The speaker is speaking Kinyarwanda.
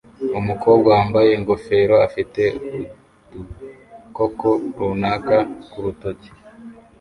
Umukobwa wambaye ingofero afite udukoko runaka kurutoki